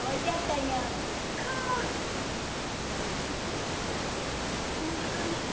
んおなか痛い。